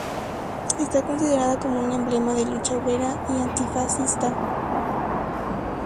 Está considerada como un emblema de la lucha obrera y antifascista.